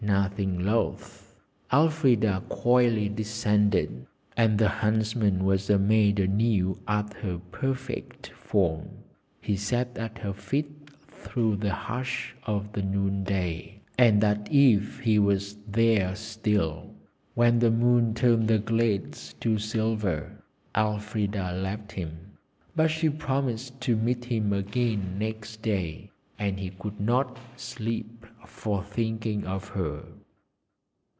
Nothing loth, Elfrida coyly descended, and the huntsman was amazed anew at her perfect form. He sat at her feet through the hush of noonday, and at even he was there still. When the moon turned the glades to silver, Elfrida left him, but she promised to meet him again next day, and he could not sleep for thinking of her.